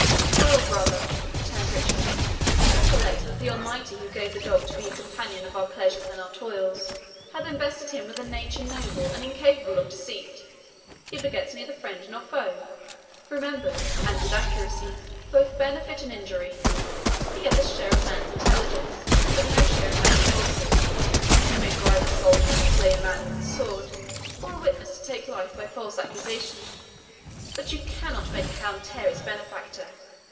"Royal brother," returned Richard, "recollect that the Almighty, who gave the dog to be companion of our pleasures and our toils, hath invested him with a nature noble and incapable of deceit. He forgets neither friend nor foe remembers, and with accuracy, both benefit and injury. He hath a share of man's intelligence, but no share of man's falsehood. You may bribe a soldier to slay a man with his sword, or a witness to take life by false accusation; but you cannot make a hound tear his benefactor.